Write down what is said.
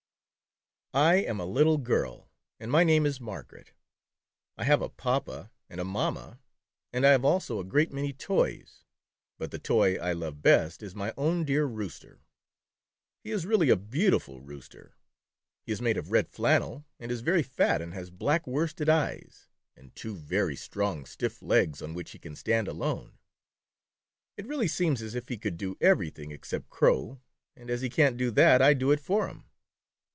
I AM a little girl and my name is Margaret. I have a papa and a mamma, and I have also a great many toys, but the toy I love best is my own dear Rooster. He is really a beautiful Rooster. He is made of red flannel, and is very fat and has black worsted eyes, and two very strong, stiff legs on which he can stand alone. It really seems as if he could do everything except crow, and as he can't do that, I do it for him.